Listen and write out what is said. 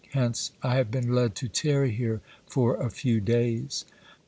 Hence I have been led to tarry here for a few days.